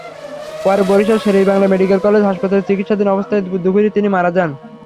পরে Barishal Sher-e-Bangla medical college হাসপাতালে চিকিৎসাধীন অবস্থায় দুপুরে তিনি মারা যান।